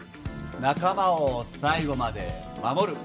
仲間を最後まで守る。